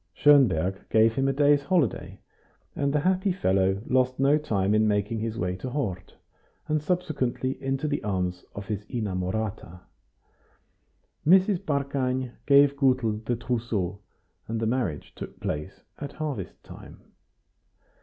Schonberg gave him a day's holiday, and the happy fellow lost no time in making his way to Hort, and subsequently into the arms of his inamorata. Mrs. Barkany gave Gutel the trousseau, and the marriage took place at harvest time.